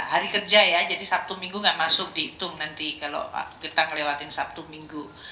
hari kerja ya jadi sabtu minggu nggak masuk dihitung nanti kalau kita ngelewatin sabtu minggu